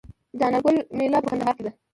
د انار ګل میله په کندهار کې ده.